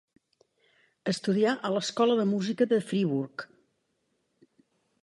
Estudià a l'Escola de música de Friburg.